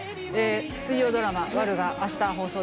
水曜ドラマ『悪女』が明日放送です。